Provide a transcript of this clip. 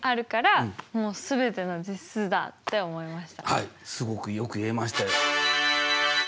はいすごくよく言えましたよ。